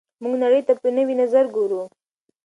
موږ نړۍ ته په نوي نظر ګورو.